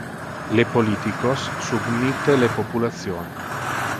Le politicos submitte le population.